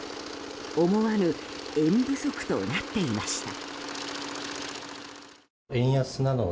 思わぬ円不足となっていました。